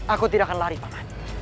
aku tidak akan lari paman